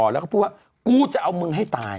แล้วก็พูดว่ากูจะเอามึงให้ตาย